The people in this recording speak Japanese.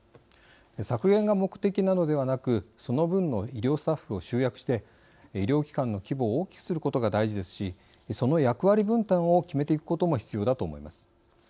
削減が目的なのではなくその分の医療スタッフを集約して医療機関の規模を大きくすることが大事ですしその役割分担を決めていくことも必要だと思います。